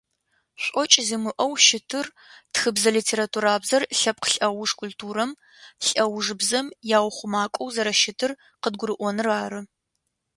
ШӀокӏ зимыӏэу щытыр тхыбзэ-литературабзэр лъэпкъ лӏэуж культурэм, лӏэужыбзэм яухъумакӏоу зэрэщытыр къыдгурыӏоныр ары.